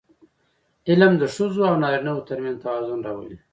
علم د ښځو او نارینهوو ترمنځ توازن راولي.